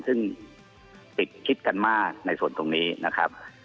ซึ่งติดคิดกันมากในส่วนตรงนี้นะครับ